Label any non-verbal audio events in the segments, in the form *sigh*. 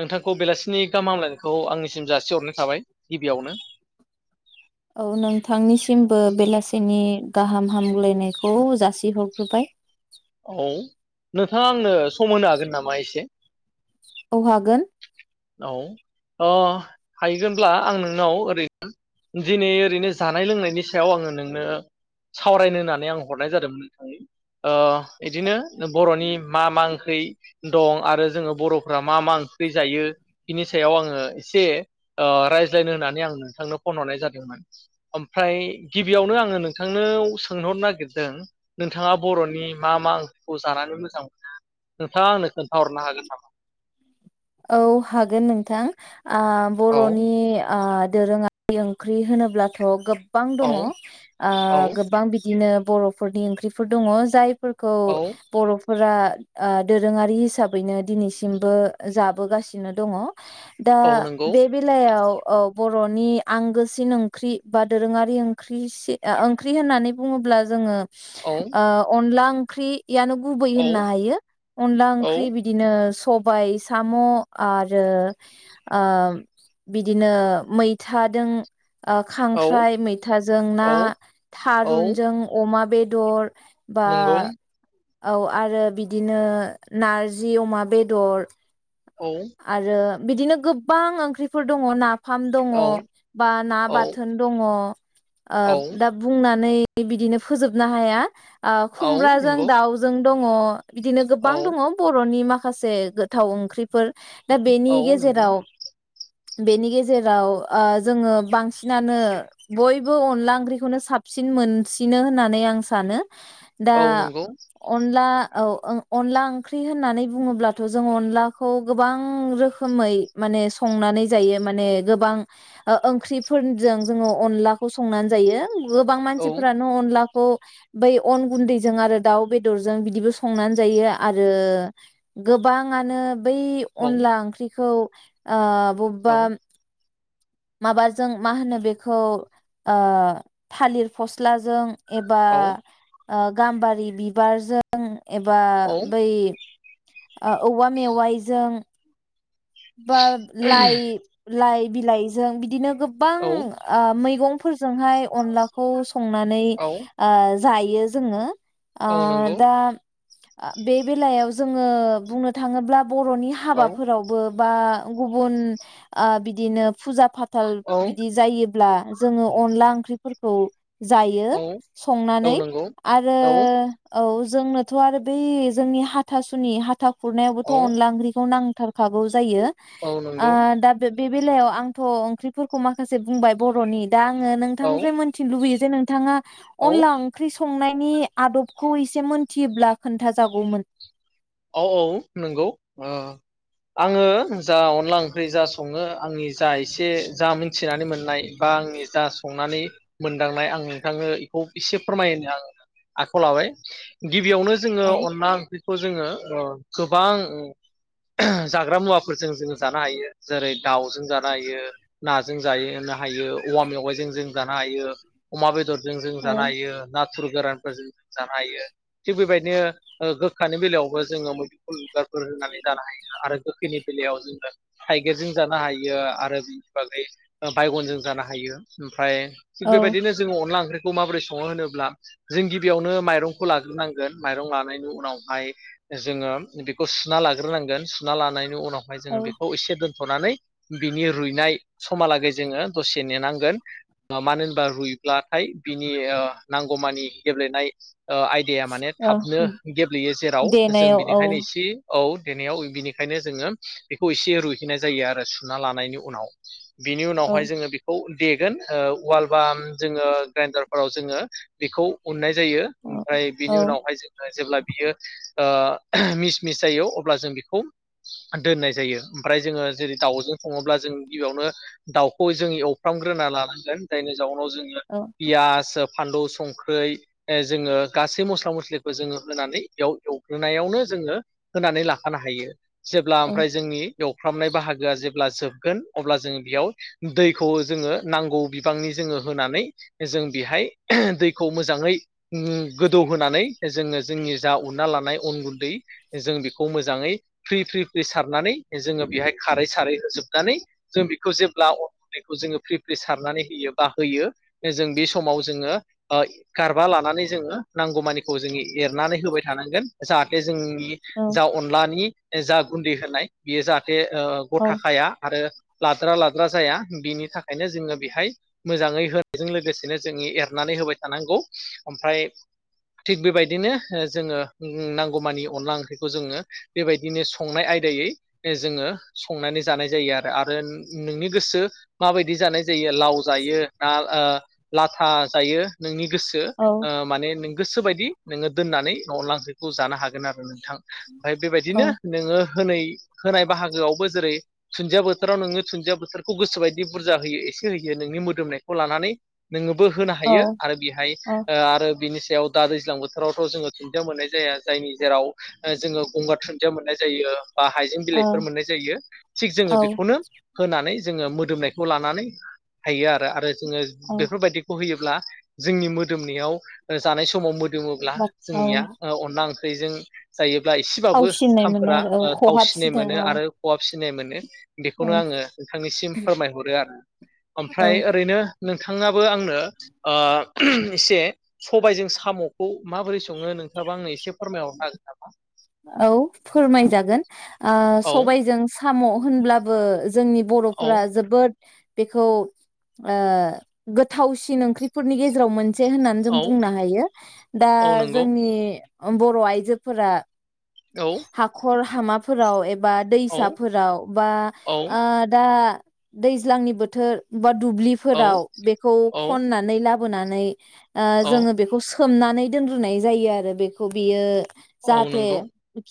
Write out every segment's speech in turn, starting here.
नोंथांखौ बेलासिनि गाहाम हामलायनायखौ आंनिसिम जासिहरनाय थाबाय गिबियावनो औ नोंथांनिसिमबो बेलासिनि गाहाम हामग्लायनायखौ जासिहरग्रोबाय औ नोंथाङा आंनो खम होनो हागोन नामा एसे? औ हागोन। औ ओ हायैगोनब्ला आं नोंनाव ओरैनो दिनै ओरैनो जानाय लोंनायनि सायाव आङो नोंनो सावरायनो होननानै आं हरनाय जादोंमोन ओ बिदिनो बर'नि मा मा ओंख्रि दं आरो जोङो बर'फोरा मा मा ओंख्रि जायो बिनि सायाव आङो एसे ओ रायज्लायनो होननानै आं नोंथांनो फन हरनाय जादोंमोन। ओमफ्राय गिबियावनो आङो नोंथांनोवाव सोंहरनो नागिरदों नोंथाङा बर'नि मा मा ओंख्रिखौ जानानै मोजां मोनो नोंथाङा आंनो खोन्थाहरनो हागोन नामा? औ हागोन नोंथां। ओ औ बर'नि ओ दोरोङारि ओंख्रि होनोब्लाथ' गो बां दङ औ ओ औ गोबां बिदिनो बर'फोरनि ओंख्रिफोर दङ जायफोर खौ औ बर' फोरा ओ दोरोङारि हिसाबैनो दिनैसिमबो जाबोगासिनो दङ दा औ नंगौ बे बेलायाव अ बर'नि आंगोसिन ओंख्रि बा दोरोङारि ओंख्रिसि ओ ओंख्रि होननानै बुङोब्ला जोङो औ ओ अनला ओं ख्रि यानो गुबै औ होननो हायो अनला औ ओंख्रि बिदिनो सबाइस साम' आरो ओ बिदिनो मैथादों ओ औ खांख्राइ मैथाजों ना औ औ थारुनजों अमा बेदर बा नंगौ औ आरो बिदिनो नारजि अमा बेदर औ आरो बिदिनो गोबां ओंख्रिफोर दङ ना फाम दङ औ बा ना औ बाथोन दङ ओ औ दा बुंनानै बिदिनो फोजोबनो हाया ओ औ खुमब्राजों नंगौ दाउजों दङ बिदिनो गोबां औ दङ बर'नि माखासे माखासे गोथाव ओंख्रिफोर दा बेनि औ नंगौ गेजेराव बेनि गेजेराव ओ जोङो बांसिनानो बयबो अनला ओंख्रिखौनो साबसिन मोनसिनो होननानै आं सानो दा औ नंगौ अनला औ अनला ओंख्रि होननानै बुङोब्लाथ' जों अनला खौ गोबां रोखोमै माने संनानै जायो माने गोबां ओ-ओंख्रिफोरजों जोङो अनलाखौ संनानै जायो गोबां औ मानसिफोरानो अनलाख खौ बै अन गुन्दैजों आरो दाउ बेदरजों बिदिबो संनानै जायो आरो गोबाङानो बै औ अनला ओंख्रिखौ ओ औ बबा माबाजों मा होनो बेखौ ओ थालिर फस्लाजों एबा औ ओ गाम्बारि बिबारजों एबा बै ओ औवा मेवाइजों बा लाइ लाइ बिलाइजों बिदिनो गोबां औ आ मैगं जोंहाय अनलाखौ संनानै औ ओ जायो जोङो। ओ औ नंगौ दा ओ बे बेलायाव जोङो बुंनो थाङोब्ला बर'नि औ हाबाफोराव बा गुबुन ओ बिदिनो फुजा फा थल औ बिदि जायोब्ला जोङो अनला ओंख्रि फोरखौ जायो औ औ संनानै नंगौ आरो औ औ जोंनोथ' आरो बै जोंनि हाथासुनि हाथा औ गुरनायावबोथ' अनला ओंख्रिखौ नां खागौ जायो। औ ओ नंगौ दा बिफोर बे बेलायाव आंथ' ओंख्रिफोरखौ माखासे बुंबाय बर'नि दा आङो औ नोंथांनिफ्राय मोन्थिनो लुबैयो जे नोंथाङा औ अनला ओंख्रि सं संनायनि आदबखौ एसे मोनथियोब्ला खोन्था जागौमोन। औ औ नोंगौ। ओ आङो जा अनला ओंख्रि जा सङो आंनि जा एसे जा मिन्थिनानै मोननाय बा आंनि जा संनानै मोनदांनाय आं नोंथांनो बेखौ एसे फोरमायनो आं आखायाव लाबाय। गिबियावनो जोङो औ अनला ओंख्रिखौ जोङो गोबां जाग्रा मुवाफोरजों जों जानो हायो। जेरै दाउजों जानो हायो नाजों जाहनो हायो औवा मेवाइजों जों जानो हायो अमा बेदर जों जों औ जायो ना थुर गोरानफोरजों जानो हायो। थिग बेबायदिनो गोखानि बेलायाव जोङो मुदुमफुल बिबारफोर होनानै जानो हायो आरो गोखैनि बेलायाव जोङो थाइगिरजों जानो हायो आरो बिनि बादै बायगनजों जानो हायो। उम फ्राय थिग औ बेबायदिनो जोङो अनला ओंख्रि खौ माबोरै सङो होनोब्ला जों गिबियावनो माइरंखौ लाग्रोनांगोन माइरं लानायनि उनावहाय जोङो बेखौ सुना लाग्रोनांगोन सुना लानाय बेनि उनावहाय जोङो औ बेखौ इसे दोन्थ'नानै बिनि रुइनाय समहालागै जोङो दसे नेनांगोन मानो होनबा रुइब्लाथाय बिनि ओ नांगौमानि गेब्लेनाय ओ आयदाया माने औ थाबनो गेब्लेयो जेराव जों देनायाव औ बिनिखायनो इसे औ देनायाव बिनिखायनो जोङो बेखौ एसे रुयहैनाय जायो आरो सुना लानायनि उनाव। बिनि उनावहाय औ जोङो बेखौ देगोन ओ उवाल बा जोङो ग्राइन्दारफोराव जोङो बेखौ उन्नाय जा जायो औ ओमफ्राय बिनि औ उनावहाय जोङो जेब्ला बियो। ओ मिस मिस जायो अब्ला जों बेखौ दोननाय जायो ओमफ्राय जोङो जेरै दाउजों सङोब्ला जों गिबियावनो दाउखौ जों एवफ्रामग्रोना लानांगोन जायनो *inaudible* जोङो औ पियास फानलु संख्रै जोङो गासै मस्ला मस्लिखौ जोङो होनानै बेयाव एव होनायावनो जोङो होनानै लाखानो हायो। जेब्ला ओमफ्राय जोंनि। एवफ्रामनाय बाहागोआ जेब्ला जोबगोन अब्ला जोङो बेयाव दैखौ जोङो नांगौ बिबांनि जोङो होनानै जों बेहाय दैखौ मोजाङै गोदौहोनानै जोङो जोंनि जा उना लानाय। अन गुन्दै जों बेखौ मोजाङै फ्रि फ्रि फ्रि सारनानै जोङो बेहाय खारै सारै होजोबनानै जों बेखौ जेब्ला अन गुन्दैखौ जोङो फ्रि फ्रि सारनानै होयो बा होयो जों बे समाव जोङो गारबा लानानै जोङो नांगौमानिखौ जोङो एरनानै होबाय थानांगोन। जाहाथे जोंनि औ जा अनलानि जा गुन्दै होनाय बियो जाथ बे औ गथाखाया आरो। लाद्रा लाद्रा जाया बिनि थाखायनो जोङो बेहाय मोजाङै होनायजों लोगोसेनो जोङि एरनानै होबाय थानांगौ ओमफ्राय थिग बेबायदिनो जोङो उम नांगौमानि अनला ओंख्रिखौ जोङो बेबायदिनो संनाय आयदायै जोङो संनानै जानाय जायो आरो आरो नोंनि गोसो माबायदि जानाय जायो आ लाव जायो ना ओ लाथा जायो नोंनि गोसो औ माने नों गोसो बायदि नोङो दोननानै न' *unintelligible* जानो हागोन आरो नों थां ओमफ्राय बेबायदिनो औ नोङो होनै होनाय बाहागोआवबो जेरै थुन्दिया बोथोराव नोङो थुन्दिया बोथोरखौ गोसोबायदि बुरजा होयो एसे होयो नोंनि मोदोमनायखौ लानानै नोङो बो होनो हायो आरो बेहाय ओ आरो बिनि *inaudible* दा दैज्लां बोथोरावथ जोङो *unintelligible* मोननाय जा जाया जायनि जेराव जोङो गंगार दुुन्दिया मोननाय जायो। बा हाइजें औ बिलाइफोर मोननाय जायो थिग जोङो औ बेखौनो होनानै जोङो मोदोमनायखौ लानानै हायो आरो आरो। जोङो औ बेफोरबायदिखौ होयो। ब्ला जोंनि मोदोमनायाव जानाय समाव दोङोब्ला बा औ जोंनिया अनला ओंख्रिजों जायोब्ला एसेबाबो फावसिननायमोन ओंखामफोरा आरो औ थाव सिननाय खहाबसिनो मोनो औ आरो खहाफसिन सिनाय मोनो। बेखौनो आङो नोंथांनिसिम फोरमायहरो आरो औ ओमफ्राय ओरैनो नोंथाङाबो आंनो ओ एसे सबायजों साम'खौ माबोरै सङो नों बा आंनो एसे फोरमायहरनो हागोन नामा? औ फोरमायजागोन ओ हागोन सबायजों खाम' होनब्लाबो जोंनि औ बर'फोरा जोबोद बेखौ ओ गोथावसिन ओंख्रिफोरनि गेजेराव मोन से होननानै जों औ बुंनो हायो दा औ नंगौ जोंनि बर' आइजोफोरा औ हाखर हामाफोराव एब बा औ दैसाफोराव बा औ आ दा दैज्लांनि बोथोर बा औ दुब्लिफोराव बेखौ औ खननानै लाब बोनानै ओ औ जोङो बेखौ सो सोमनानै दोनग्रोनाय जायो आरो बेखौ बियो औ जाहाथे नंगौ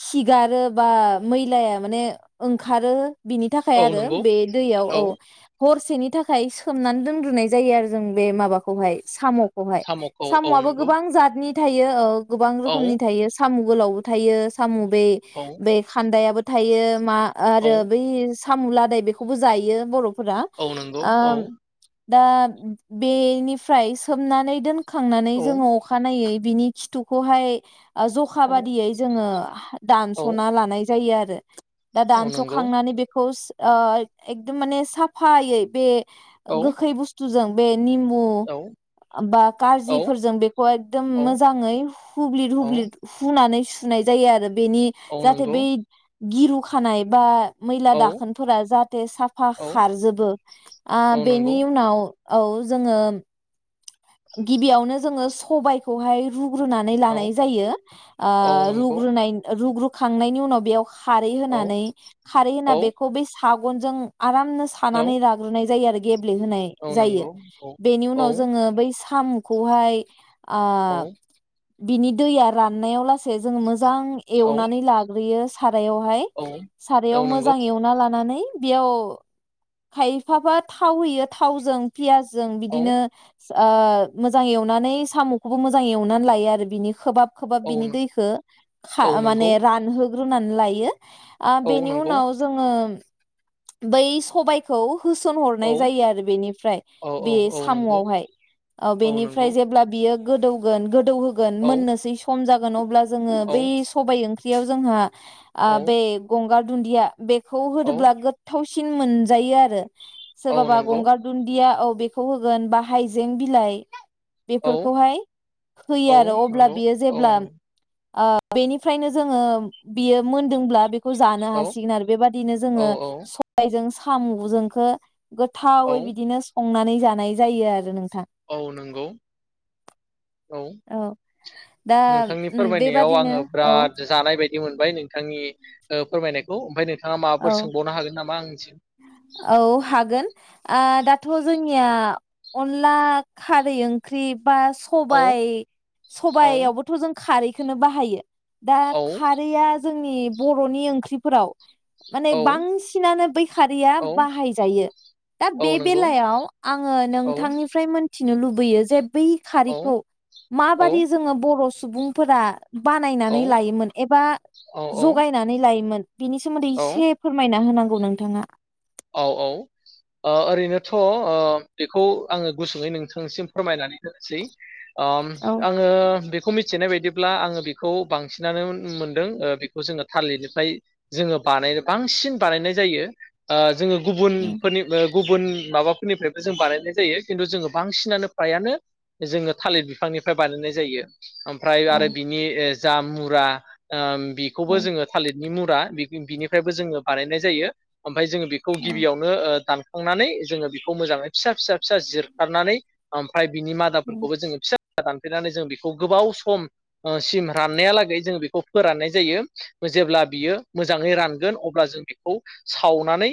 खिगारो बा मैलाया माने ओंखारो बिनि थाखाय औ आरो नंगौ बे दैयाव औ हरसेनि थाखाय सोमनानै दोनग्रोनाय जायो आरो जों बे माबाखौहाय साम' बेवहाय साम'खौ औ साम'आबो नंगौ गोबां जातनि थायो औ गोबां औ रोखोमनि थायो साम' गोलावबो थायो सामु बे औ बे खान्दायाबो थायो मा औ आरो बै साम' लादाय बेखौबो जायो बर' रा औ नंगौ ओ औ दा बेनिफ्राय सोमनानै दोन खांनानै औ जोङो अखानायै बिनि खिथुखौहाय जखा औ बादियै जोङो औ दानस'ना लानाय जायो आरो दा औ नंगौ दानस'खांनानै बेखौ सो ओ एकदम माने साफायै बे औ गोखै बुस्थ *unintelligible* बे निमबु औ बा औ कारजिफोरजों बेखौ एकदम औ मोजाङै हुब्लिद हुब्लिद हुनानै सु हुनाय जायो आरो बेनि औ जाहाथे नंगौ बै गिरु खानाय बा मैला औ दाखोनफोरा जाहाते साफा औ खारजोबो आ औ नंगौ बेनि उनाव औ जोङो गिबियावनो जोङो सबायखौहाय रु *unintelligible* औ लानाय जायो ओ औ नंगौ रुग्रोनाय *unintelligible* खांनायनि उनाव बेयाव खारै औ होनानै खारै होना औ बेखौ *unintelligible* आगनजों आरामनो औ सानानै लाग्रोनाय जायो आरो *unintelligible* होनाय औ जायो नंगौ औ बेनि औ उनाव जोङो बै *unintelligible* औ आ बिनि दैया राननायाव लासै जोङो मोज जां औ एवनानै लाग्रोयो *unintelligible* औ औ सारायाव नंगौ मोजां एवना लानानै बियाव खायफाफा थाव होयो थावजों पियास जों औ बिदिनो *unintelligible* आ ओ मोजां एवनानै सामुखौबो मोजां एवनानै लायो आरो बिनि खोबाब खोबाब औ बिनि न- दैखौ खा औ माने नंगौ रानहो रुनानै लायो। ओ औ बेनि नंगौ उनाव जोङो बै सबायखौ होसन औ हरनाय जायो आरो बेनिफ्राय औ औ बे औ नंगौ सामआवहाय। औ बेनिफ्राय जेब्ला बि बियो गोदौगोन। गोदौ होगोन औ मोननोसै सम जागोन। होगोन अब्ला जोङो औ बै सबाय ओं ओंखियाव जोंहा औ आ बे गंगार दुन्दिया बेखौ औ होदोब्ला गोथाव सिन मोनजायो आरो। सेर औ बाबा नंगौ गगार दुनदिया बेखौ होगोन बा हाइजें बिलाइ औ बेफोरखौहाय होयो औ आरो अब्ला नंगौ बियो औ जेब्ला नं- आं। बेनिफ्रायनो जोङो बियो मोनदोंब्ला बे खौ जानो औ हासिगोन आरो बेबादिनो औ जोङो सबाय जों सा। फामु जोंखो औ गोथावै बिदिनो संनानै जा जानाय जायो आरो नोंथा। औ नोंगौ। औ दा नोंथांनि उम फोरमायनायाव बेबादिनो आङो औ बिराद जानाय बायदि। दि मोनबाय नोंथांनि औ फोरमायनायखौ, ओमफ्राय नों थांङा औ माबाफोर सोंबावनो हागोन नामा आंनिसिम? औ हागोन आ दाथ' जोंनिया अनला खारै ओंख्रि। बा सब औ औ सबयावबोथ' जों खारै। खोनो बाहायो। दा औ खारैया जों। जोंनि बर'नि ओंख्रिफोराव। माने औ बांसिनानो बै खारिया औ बाहाय जायो, दा औ बे नंगौ बेलायाव आङो औ नोंथांनिफ्राय मोन मिथिनो लुबैयो जे बै औ खारिखौ माबादि औ जोङो बर' सु सुबुंफोरा। औ बानायनानै लायोमोन एबा औ जगायनानै लायोमोन। बिनि सोमोन्दै औ इसे फोरमायना होनां गौ नोंथाङा। औ औ ओ ओरैनोथ'‌ ओ बेखौ आङो गुसुङै नोंथांसिम फोरमायनानै होनोसै। ओम‌ उम आङो बे बेखौ मिथिनाय बायदिब्ला आङो बेखौ बांसिनानो मोनदों ओ बेखौ जोङो थालिरनिफ्राय जोङो बानाय बांसिन बानायनाय जायो। ओ जोङो गुबुनफोरनिबो गुबुन माबाफोरनिफ्रायबो जों बानायनाय जायो खिन्थु जोङो बांसिनानो फ्रायानो जोङो थालिर बिफांनिफ्राय बानायनाय जायो। ओमफ्राय औ आरो बिनि एस जा मुरा ओम औ बिखौबो जोङो थालिरनि मुर फ्रा बिगि बिनिफ्रायबो जोङो बानायनाय जायो। ओमफाय जोङो बेखौ गिबियावनो ओ दान थांनानै जोङो बेखौ मोजाङै फिसा फिसा फिसा जिरखारनानै ओमफाय बिनि औ मादाफोरखौ जोङो फिसा दानफेरनानै जों बेखौ गोबाव समसिम राननायालागै जों बेखौ फोराननाय जायो जेब्ला बियो मोजाङै रानगोन अब्ला जों बेखौ सावनानै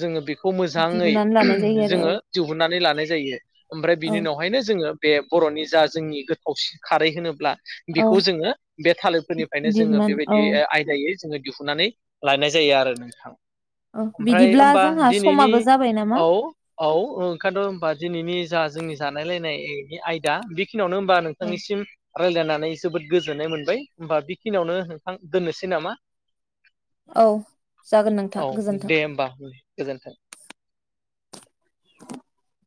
जोङो बेख खौ मोजाङै दिहुननानै लानाय जायो आरो जोङो औ दिहुननानै लानो लानाय जायो। ओमफ्राय औ बिनि उनावहायनो जोङो बे बर'नि जा जोंनि गोथाव खारै होनोब्ला औ बेखौ जोङो बे थालिरफोरनिफ्रायनो जोङो दिहुननानै औ बेबायदि आयदायै जोङो। दिहुननानै लानाय जायो आरो नोंथां। अ ओमफ्राय बिदिब्ला होमबा जोंहा दिनैनि समाबो जाबाय नामा? औ औ ओंखायथ होबा दिनैनि जा जोंनि जानाय लायनाय आयदा बे बेखिनियावनो होनोमबा औ नोंथांनिसिम रायज्लायनानै जोबोद गोजोननाय मोनबाय होमबा बेखिनियावनो नोंथां दोननोसै नामा? औ जागोन नोंथां औ गोजोन्थों। दे होमबा गोजोन्थों। *inaudible*